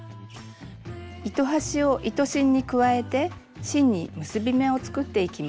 糸端を糸芯に加えて芯に結び目を作っていきます。